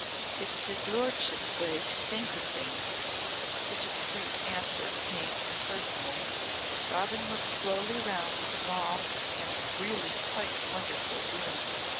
"It's his lordship's way to think of things," the discreet answer came impersonally. Robin looked slowly round the small and really quite wonderful room.